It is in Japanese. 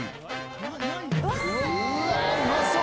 うわっうまそう！